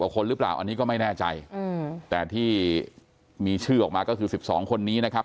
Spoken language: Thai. คนหรือเปล่าอันนี้ก็ไม่แน่ใจแต่ที่มีชื่อออกมาก็คือ๑๒คนนี้นะครับ